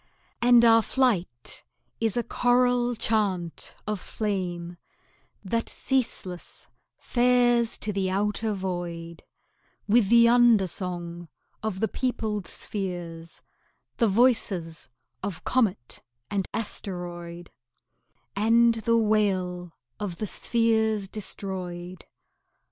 And our flight is a choral chant of flame, That ceaseless fares to the outer void, With the undersong of the peopled spheres, The voices of comet and asteroid, And the wail of the spheres destroyed.